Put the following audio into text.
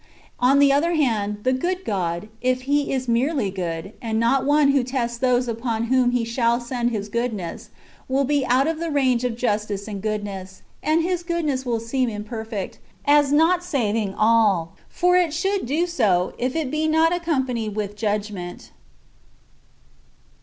On the other hand, the good God, if he is merely good, and not one who tests those upon whom he shall send his goodness, will be out of the range of justice and goodness; and his goodness will seem imperfect, as not saving all ; [for it should do so,] if it be not accompanied with judgment.